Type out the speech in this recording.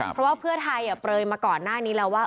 เพราะว่าเพื่อไทยเปลยมาก่อนหน้านี้แล้วว่า